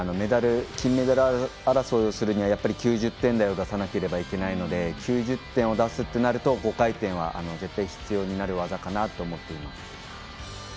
金メダル争いをするには９０点台を出さなきゃいけないので９０点を出すってなると５回転は絶対、必要になる技かなとは思っています。